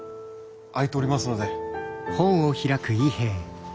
空いておりますので。